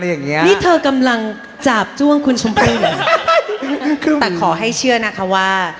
อย่างเงี้นี่เธอกำลังจาบจ้วงคุณชมพูแต่ขอให้เชื่อนะคะว่า